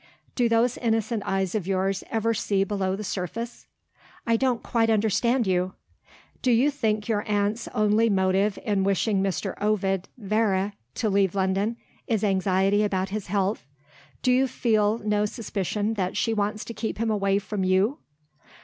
Do those innocent eyes of yours ever see below the surface?" "I don't quite understand you." "Do you think your aunt's only motive in wishing Mr. Ovid Vere to leave London is anxiety about his health? Do you feel no suspicion that she wants to keep him away from You?"